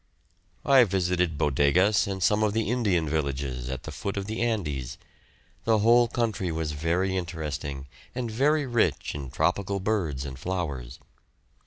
I visited Bodegas and some of the Indian villages at the foot of the Andes. The whole country was very interesting, and very rich in tropical birds and flowers.